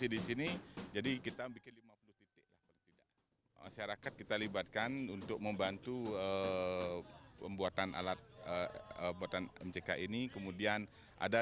dari tni juga ada